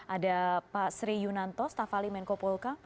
ada pak sri yunanto stafali menko polka